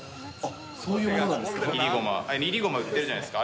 そういうものなんですか？